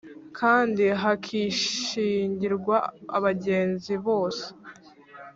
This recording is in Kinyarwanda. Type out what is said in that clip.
kandi hakishingirwa abagenzi bose,